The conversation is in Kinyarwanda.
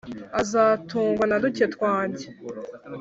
a nzatungwa na duke twanjye